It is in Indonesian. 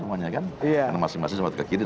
karena masing masing sama satu ke kiri